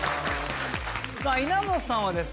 稲本さんはですね